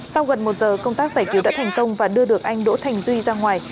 sau gần một giờ công tác giải cứu đã thành công và đưa được anh đỗ thành duy ra ngoài